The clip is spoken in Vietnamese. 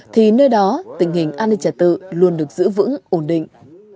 thì nơi đó tình hình an ninh trả tự luôn được giữ vững ổn định